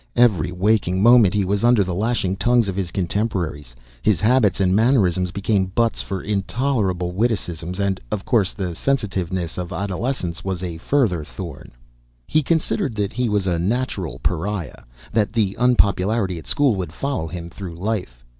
Every waking moment he was under the lashing tongues of his contemporaries; his habits and mannerisms became butts for intolerable witticisms and, of course, the sensitiveness of adolescence was a further thorn. He considered that he was a natural pariah; that the unpopularity at school would follow him through life.